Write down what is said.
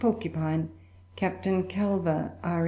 Porcupine, Captain Calver, R.N.